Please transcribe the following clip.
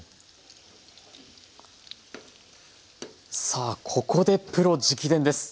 さあここでプロ直伝です。